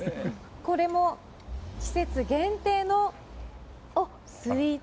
これも季節限定のスイーツ。